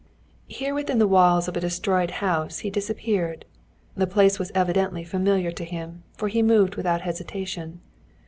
Here within the walls of a destroyed house he disappeared. The place was evidently familiar to him, for he moved without hesitation.